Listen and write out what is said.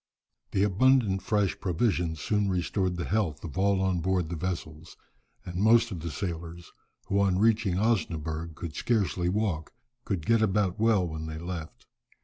The abundant fresh provisions soon restored the health of all on board the vessels, and most of the sailors, who on reaching Osnaburgh could scarcely walk, could get about well when they left.